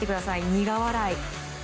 苦笑い。